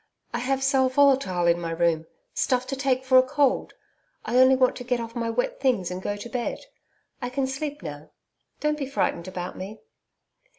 I have sal volatile in my room stuff to take for a cold. I only want to get off my wet things and go to bed I can sleep now. Don't be frightened about me.'